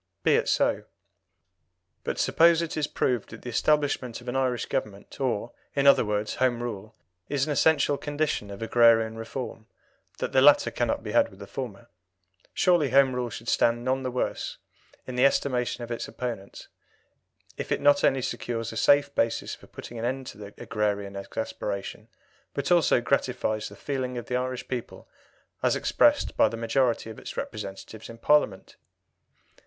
Be it so. But suppose it to be proved that the establishment of an Irish Government, or, in other words, Home Rule, is an essential condition of agrarian reform that the latter cannot be had without the former surely Home Rule should stand none the worse in the estimation of its opponents if it not only secures a safe basis for putting an end to agrarian exasperation, but also gratifies the feeling of the Irish people as expressed by the majority of its representatives in Parliament?